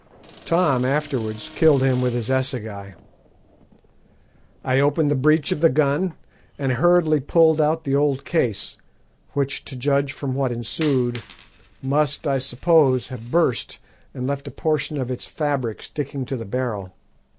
Tom afterwards killed him with his assegai. I opened the breech of the gun and hurriedly pulled out the old case, which, to judge from what ensued, must, I suppose, have burst and left a portion of its fabric sticking to the barrel.